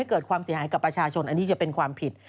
เกิดความเสียหายกับประชาชนอันนี้จะเป็นความผิด